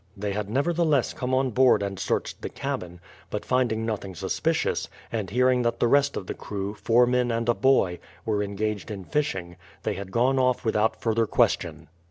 They had nevertheless come on board and searched the cabin, but finding nothing suspicious, and hearing that the rest of the crew, four men and a boy, were engaged in fishing, they had gone off without further question.